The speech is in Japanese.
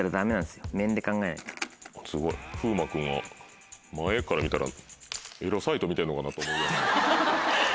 すごい風磨君が前から見たらエロサイト見てんのかなと思う。